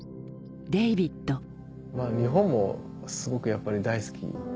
日本もすごくやっぱり大好き。